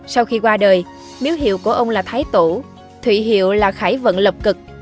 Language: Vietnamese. sau khi qua đời miếu hiệu của ông là thái tổ thủy hiệu là khải vận lập cực